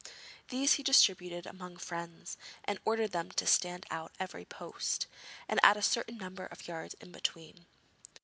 These he distributed among his friends, and ordered them to stand out at every post, and at a certain number of yards in between.